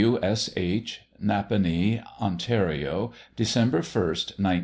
W. S. H. Napanee, Ontario, December 1st, 1915.